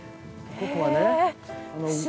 ここはね